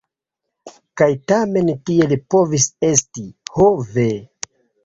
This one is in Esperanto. Kaj tamen tiel povis esti: ho ve!